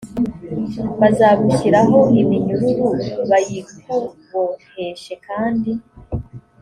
bazagushyiraho iminyururu bayikuboheshe kandi